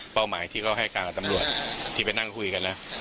หมายที่เขาให้การกับตำรวจที่ไปนั่งคุยกันนะ